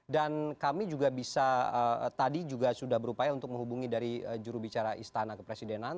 dan kami juga bisa tadi juga sudah berupaya untuk menghubungi dari jurubicara istana ke presidenan